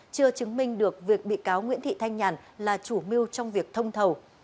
chưa chứng minh được việc bị cáo nguyễn thị thanh nhàn là chủ mưu trong việc thông thầu